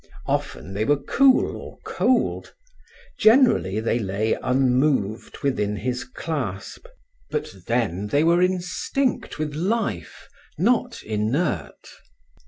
Often they were cool or cold; generally they lay unmoved within his clasp, but then they were instinct with life, not inert.